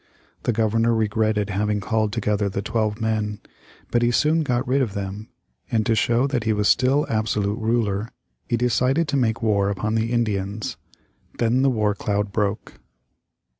The Governor regretted having called together the twelve men. But he soon got rid of them, and to show that he was still absolute ruler, he decided to make war upon the Indians. Then the war cloud broke.